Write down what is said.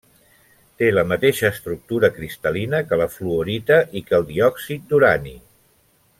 Té la mateixa estructura cristal·lina que la fluorita i que el diòxid d'urani.